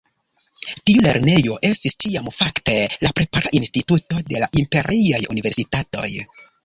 Tiu lernejo estis tiam fakte la prepara instituto de la imperiaj universitatoj.